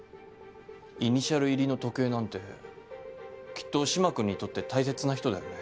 イニシャル入りの時計なんてきっと嶋君にとって大切な人だよね。